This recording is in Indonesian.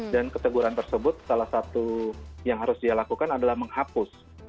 dan keteguran tersebut salah satu yang harus dia lakukan adalah menghapus